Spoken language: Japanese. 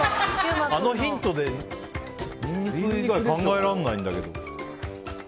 あのヒントでニンニク以外考えられないんだけど。